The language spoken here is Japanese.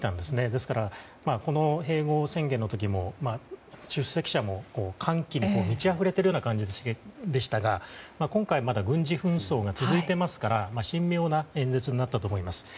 ですから、この併合宣言の時も出席者も歓喜に満ちあふれているような感じでしたが今回、軍事紛争が続いていますから神妙な演説になったと思います。